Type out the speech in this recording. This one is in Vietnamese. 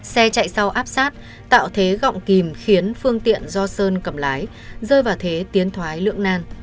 xe chạy sau áp sát tạo thế gọng kìm khiến phương tiện do sơn cầm lái rơi vào thế tiến thoái lưỡng nan